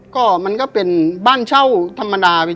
ก็มันก็เป็นบ้านเช่าธรรมดาไป